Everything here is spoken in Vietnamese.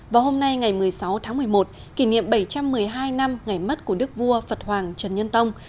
vào hôm nay ngày một mươi sáu tháng một mươi một kỷ niệm bảy trăm một mươi hai năm ngày mất của đức vua phật hoàng trần nhân tông